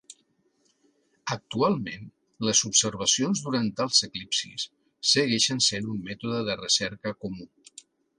Actualment, les observacions durant els eclipsis segueixen sent un mètode de recerca comú.